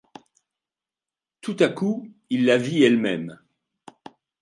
Tout à coup, il la vit elle-même.